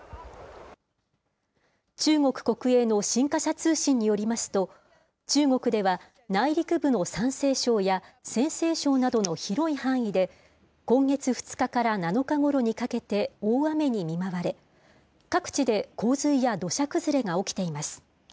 中国国営の新華社通信によりますと、中国では、内陸部の山西省や陝西省などの広い範囲で、今月２日から７日ごろにかけて、大雨に見舞われ、各地で洪水や土砂崩れが起きています。